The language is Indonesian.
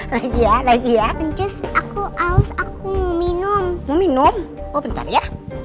hai raya lagi ya pencus aku aus aku minum minum oh bentar ya